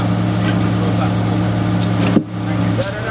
ยกเลยแทบไปตาย